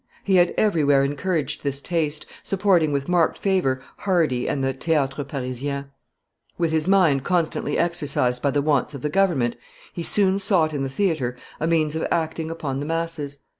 He had everywhere encouraged this taste, supporting with marked favor , Hardy and the Theatre Parisien. With his mind constantly exercised by the wants of the government, he soon sought in the theatre a means of acting upon the masses.